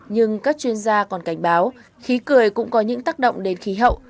nhưng các chuyên gia còn cảnh báo khí cười cũng có những tác động đến khí hậu